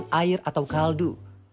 menyusupkan air atau kaldu